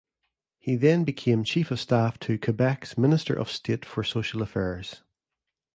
He then became chief of staff to Quebec's Minister of State for Social Affairs.